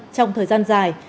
trong thời gian dài